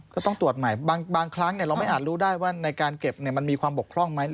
ก็ต้องตรวจใหม่บางครั้งเราไม่อาจรู้ได้ว่าในการเก็บมันมีความบกพร่องไหม